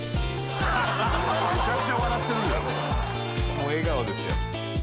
「もう笑顔ですよ」